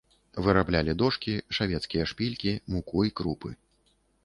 Выраблялі дошкі, шавецкія шпількі, муку і крупы.